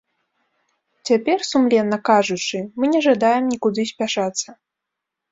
Цяпер, сумленна кажучы, мы не жадаем нікуды спяшацца.